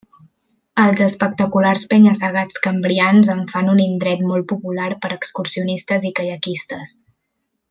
Els espectaculars penya-segats cambrians en fan un indret molt popular per a excursionistes i caiaquistes.